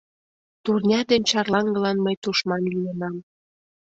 Турня ден чарлаҥгылан мый тушман лийынам!